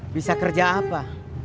bisa kerja apa